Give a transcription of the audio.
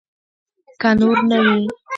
که نور نه وي.